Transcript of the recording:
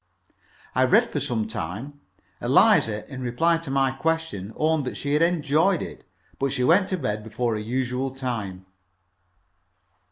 I read for some time. Eliza, in reply to my question, owned that she had enjoyed it, but she went to bed before her usual time.